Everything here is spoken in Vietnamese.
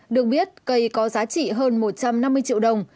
được biết cây có giá trị hơn một trăm năm mươi triệu đồng